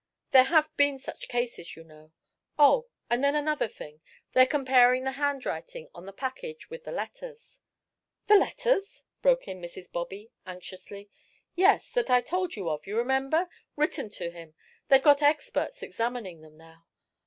There have been such cases, you know. Oh, and then another thing. They're comparing the handwriting on the package with the letters" "The letters?" broke in Mrs. Bobby, anxiously. "Yes, that I told you of, you remember written to him they've got experts examining them now."